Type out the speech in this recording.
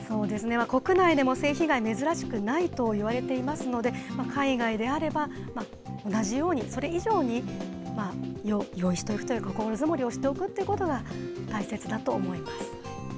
国内でも性被害、珍しくないといわれていますので、海外であれば同じように、それ以上に用意しておくというか、心づもりをしておくということが大切だと思います。